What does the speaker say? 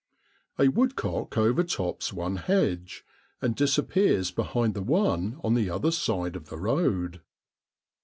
A woodcock overtops one hedge, and disappears behind the one on the other side of the road.